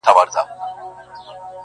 د ګنجي په ژبه بل ګنجی پوهېږي.!